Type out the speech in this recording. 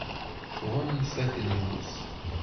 Tɣunfa-t lmut.